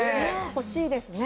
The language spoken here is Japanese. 欲しいですね。